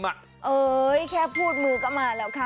เอ้ยแค่พูดมือก็มาแล้วค่ะ